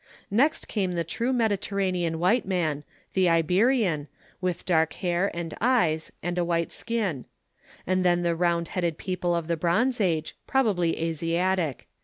Next came the true Mediterranean white man, the Iberian, with dark hair and eyes and a white skin; and then the round headed people of the Bronze Age, probably Asiatic.